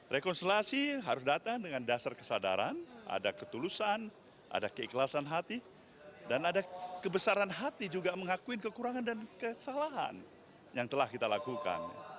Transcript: rekonsiliasi harus datang dengan dasar kesadaran ada ketulusan ada keikhlasan hati dan ada kebesaran hati juga mengakuin kekurangan dan kesalahan yang telah kita lakukan